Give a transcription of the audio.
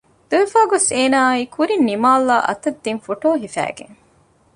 ދުވެފައި ގޮސް އޭނާ އައީ ކުރިން ނިމާލް އޭނާ އަތަށް ދިން ފޮޓޯތައް ހިފައިގެން